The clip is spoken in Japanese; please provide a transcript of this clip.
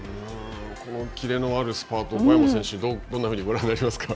このキレのあるスパート、小山選手、どんなふうにご覧になりますか。